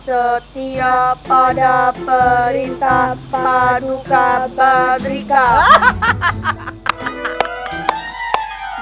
setia pada perintah paduka berikab